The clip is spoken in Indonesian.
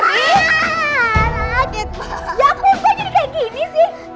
ya ampun kok jadi kayak gini sih